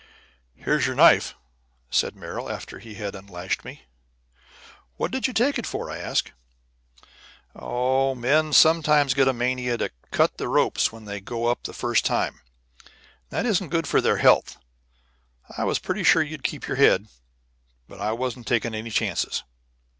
"Here's your knife," said Merrill, after he had unlashed me. "What did you take it for?" I asked. "Oh, men sometimes get a mania to cut the ropes when they go up the first time. And that isn't good for their health. I was pretty sure you'd keep your head, but I wasn't taking any chances."